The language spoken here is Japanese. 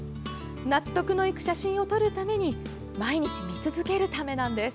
納得のいく写真を撮るために毎日見続けるためなんです。